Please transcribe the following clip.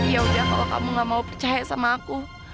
ya udah kalau kamu gak mau percaya sama aku